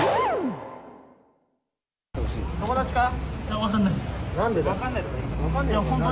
友達か？